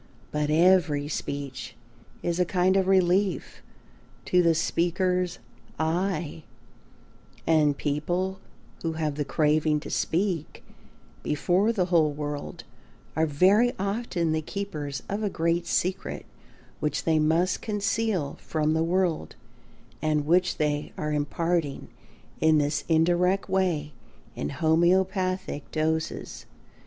But every speech is a kind of relief to the speaker's "I," and people who have the craving to speak before the whole world are very often the keepers of a great secret which they must conceal from the world and which they are imparting in this indirect way in homœopathic doses.